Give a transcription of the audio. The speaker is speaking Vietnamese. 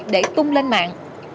để tung lên mạng